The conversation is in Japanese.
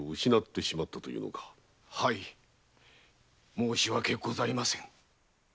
申し訳ございません。